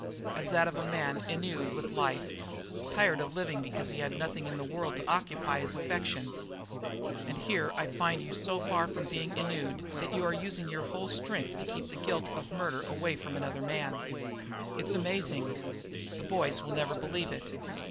As that of a man ennuied with life tired of living because he had nothing in the world to occupy his affections. And here I find you so far from being ennuied that you are using your whole strength to keep the guilt of murder away from another man. It's amazing. The boys will never believe it."